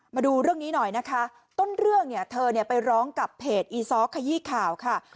มาดูเรื่องนี้หน่อยนะคะต้นเรื่องเนี่ยเธอเนี่ยไปร้องกับเพจอีซ้อขยี้ข่าวค่ะ